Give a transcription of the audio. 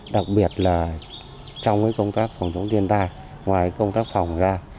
đặc biệt là trong công tác phòng chống thiên tai ngoài công tác phòng ra